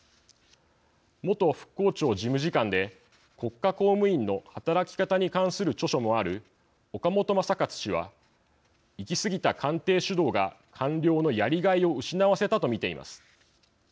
元復興庁事務次官で国家公務員の働き方に関する著書もある岡本全勝氏は行き過ぎた官邸主導が、官僚のやりがいを失わせたと見ています。